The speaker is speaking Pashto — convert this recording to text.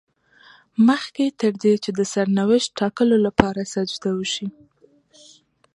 مخکې تر دې چې د سرنوشت ټاکلو لپاره سجده وشي.